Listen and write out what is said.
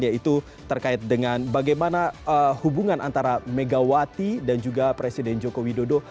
yaitu terkait dengan bagaimana hubungan antara megawati dan juga presiden joko widodo